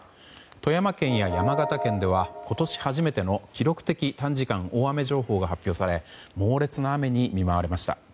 富山県や山形県では今年初めての記録的短時間大雨情報が発表され猛烈な雨に見舞われました。